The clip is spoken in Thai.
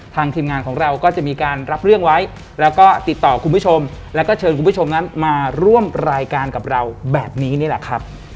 ทีมงานของเราก็จะมีการรับเรื่องไว้แล้วก็ติดต่อคุณผู้ชมแล้วก็เชิญคุณผู้ชมนั้นมาร่วมรายการกับเราแบบนี้นี่แหละครับ